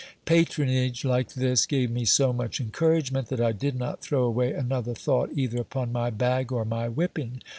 Patronage like this gave me so much encouragement, that I did not throw away another thought either upon my bag or my whipping.